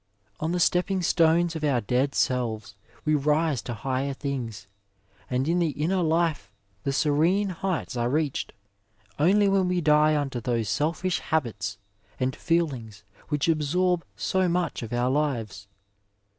On the stepping stones of our dead selves we rise to 166 ^ Digitized by VjOOQIC NURSE AND PATIENT higher things, and in the inner life the serene heights are reached only when we die unto those selfish habits and feelings which absorb so much of our lives.